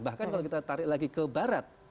bahkan kalau kita tarik lagi ke barat